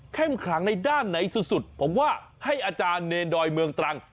ขลังในด้านไหนสุดผมว่าให้อาจารย์เนรดอยเมืองตรัง